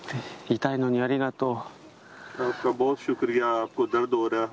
痛いのにありがとう。